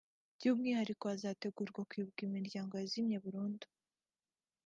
By’umwihariko hazategurwa kwibuka imiryango yazimye burundu